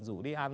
rủ đi ăn